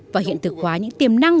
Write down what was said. và hiện thực hóa những tiềm năng